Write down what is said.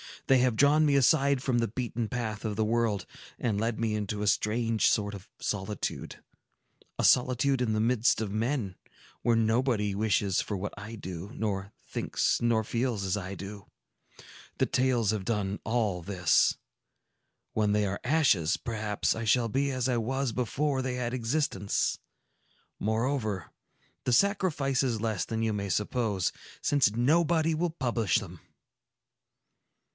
They have drawn me aside from the beaten path of the world, and led me into a strange sort of solitude,—a solitude in the midst of men, where nobody wishes for what I do, nor thinks nor feels as I do. The tales have done all this. When they are ashes, perhaps I shall be as I was before they had existence. Moreover, the sacrifice is less than you may suppose, since nobody will publish them."